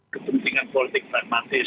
kepentingan politik pragmatis